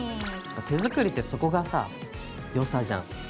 手作りってそこがさよさじゃん。